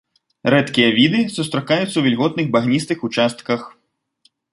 Рэдкія віды сустракаюцца ў вільготных багністых участках.